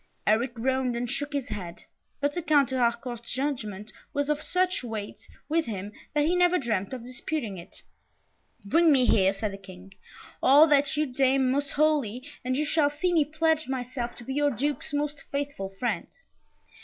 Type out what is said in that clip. Eric groaned and shook his head; but the Count de Harcourt's judgment was of such weight with him, that he never dreamt of disputing it. "Bring me here," said the King, "all that you deem most holy, and you shall see me pledge myself to be your Duke's most faithful friend."